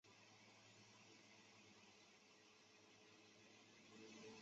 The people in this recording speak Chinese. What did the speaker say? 鲁多夫卡市镇是俄罗斯联邦伊尔库茨克州日加洛沃区所属的一个市镇。